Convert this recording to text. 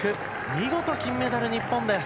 見事、金メダル日本です。